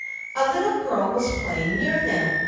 A little girl was playing near them.